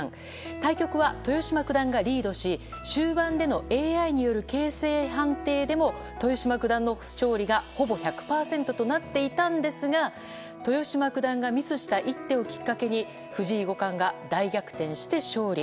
対局は豊島九段がリードし終盤でのＡＩによる形勢判定でも豊島九段の勝利がほぼ１００％となっていたんですが豊島九段がミスした一手をきっかけに藤井五冠が大逆転し勝利。